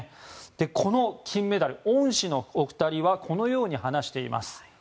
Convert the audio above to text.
この金メダル、恩師のお二人はこのように話しています。